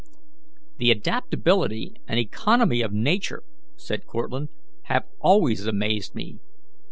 "The adaptability and economy of Nature," said Cortlandt, "have always amazed me.